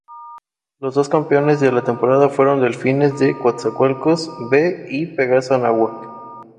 Los dos campeones de la temporada fueron Delfines de Coatzacoalcos "B" y Pegaso Anáhuac.